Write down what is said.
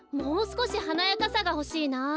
すこしはなやかさがほしいな。